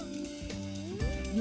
yuk ke bandung